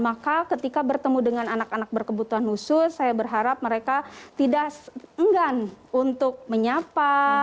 maka ketika bertemu dengan anak anak berkebutuhan khusus saya berharap mereka tidak enggan untuk menyapa